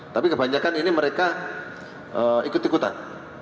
tapi kebanyakan ini mereka ikut ikutan